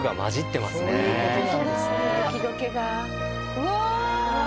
うわ！